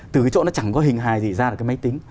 từ cái chỗ nó chẳng có hình hài gì ra được cái máy tính